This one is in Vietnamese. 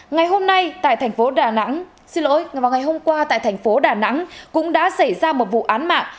ngày hôm nay tại thành phố đà nẵng xin lỗi vào ngày hôm qua tại thành phố đà nẵng cũng đã xảy ra một vụ án mạng